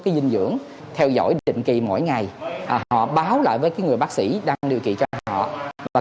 cái dinh dưỡng theo dõi định kỳ mỗi ngày họ báo lại với cái người bác sĩ đăng điều kỳ cho họ và